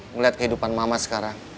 ngeliat kehidupan mama sekarang